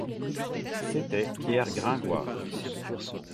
C’était Pierre Gringoire.